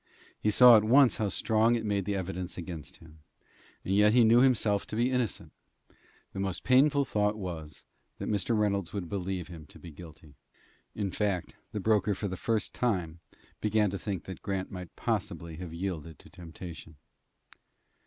He saw at once how strong it made the evidence against him, and yet he knew himself to be innocent. The most painful thought was, that Mr. Reynolds would believe him to be guilty. In fact, the broker for the first time began to think that Grant might possibly have yielded to temptation.